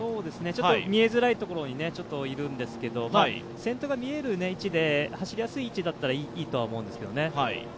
見えづらい所にいるんですけれども、先頭が見える位置で走りやすい位置だったらいいとは思うんですけどね。